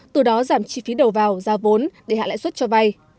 từ đó giảm chi phí đầu vào ra vốn để hạ lãi suất cho vay